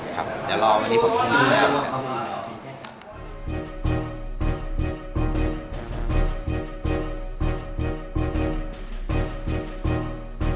ครับอย่ารอวันนี้ผมพูดนะครับ